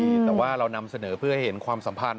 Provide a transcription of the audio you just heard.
แต่ว่าเรานำเสนอเพื่อให้เห็นความสัมพันธ